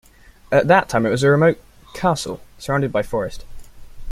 At that time it was a remote "castle", surrounded by forest.